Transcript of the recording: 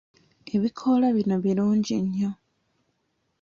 Ebikoola bino birungi nnyo